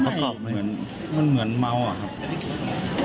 สวัสดีครับคุณผู้ชาย